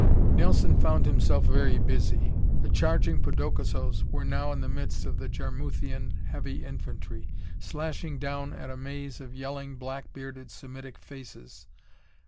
Nelson found himself very busy. The charging podokesos were now in the midst of the Jarmuthian heavy infantry, slashing down at a maze of yelling, black bearded, Semitic faces.